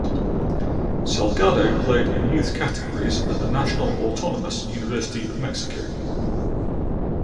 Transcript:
Salgado played in youth categories at the National Autonomous University of Mexico.